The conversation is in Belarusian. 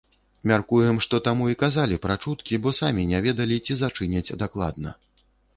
Мяркуем, што таму і казалі пра чуткі, бо самі не ведалі, ці зачыняць дакладна.